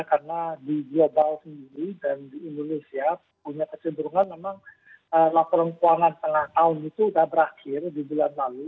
karena di global sendiri dan di indonesia punya kecenderungan memang laporan keuangan setengah tahun itu sudah berakhir di bulan lalu